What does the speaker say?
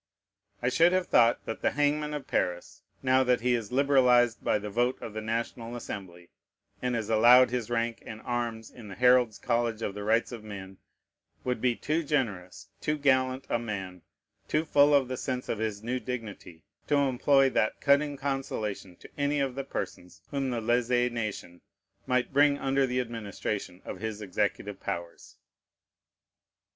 I should have thought that the hangman of Paris, now that he is liberalized by the vote of the National Assembly, and is allowed his rank and arms in the Herald's College of the rights of men, would be too generous, too gallant a man, too full of the sense of his new dignity, to employ that cutting consolation to any of the persons whom the lèze nation might bring under the administration of his executive powers.